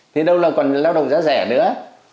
thì đâu còn là lao động giá rẻ nữa